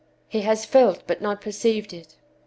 He has felt but not perceived it.